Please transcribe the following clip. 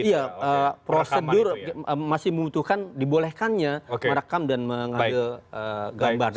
iya prosedur masih membutuhkan dibolehkannya merekam dan mengadil gambar dan lain lain